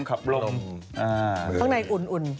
อ้าข้างในอุ่น